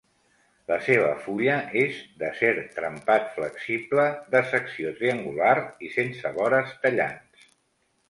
La seva fulla és d'acer trempat flexible, de secció triangular i sense vores tallants.